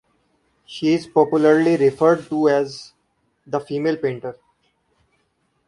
She is popularly referred to as "The female Painter".